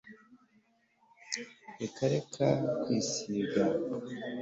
reka reka kwisiga